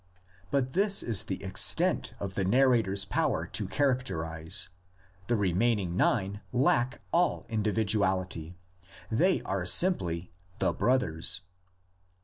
But this is the extent of the narrator's power to characterise; the remaining nine lack all individuality; they are simply "the brothers."